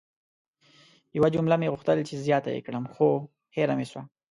یوه جمله مې غوښتل چې زیاته ېې کړم خو هیره مې سوه!